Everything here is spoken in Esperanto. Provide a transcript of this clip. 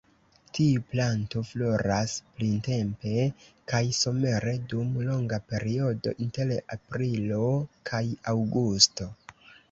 Tiu planto floras printempe kaj somere dum longa periodo inter aprilo kaj aŭgusto.